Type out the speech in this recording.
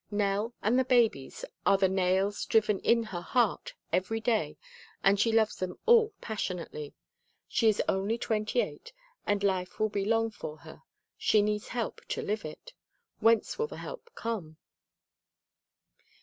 Nell and the babies are the nails driven in her heart every day and she loves them all passionately. She is only twenty eight and life will be long for her. She needs help to live it. Whence will the help come?